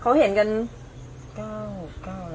เขาเห็นกันเขาเห็นกัน